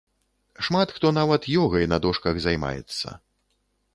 Шмат хто нават ёгай на дошках займаецца.